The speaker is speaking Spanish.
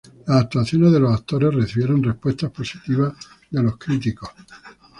Las actuaciones de los actores recibieron respuestas positivas de los críticos.